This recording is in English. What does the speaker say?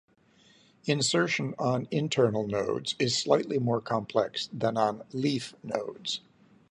Insertion on internal nodes is slightly more complex than on leaf nodes.